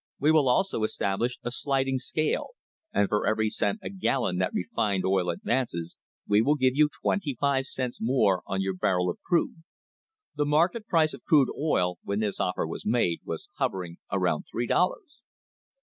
We will also establish a sliding scale, and for every cent a gallon that refined oil advances we will give you twenty five cents more on your barrel of crude. The market price of crude oil, when this offer was made, was hover ing around three dollars.